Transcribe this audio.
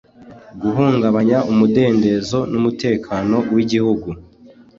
guhungabanya umudendezo n’ umutekano w’ igihugu